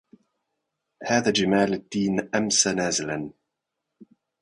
هذا جمال الدين أمسى نازلا